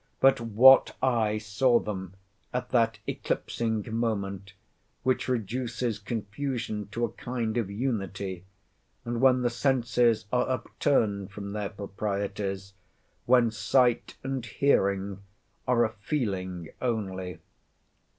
But what eye saw them at that eclipsing moment, which reduces confusion to a kind of unity, and when the senses are upturned from their proprieties, when sight and hearing are a feeling only?